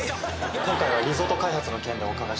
今回はリゾート開発の件でお伺い。